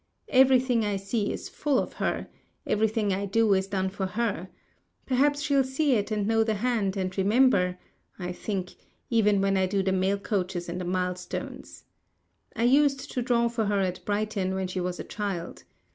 Everything I see is full of her, everything I do is done for her. "Perhaps she'll see it and know the hand, and remember," I think, even when I do the mail coaches and the milestones. I used to draw for her at Brighton when she was a child.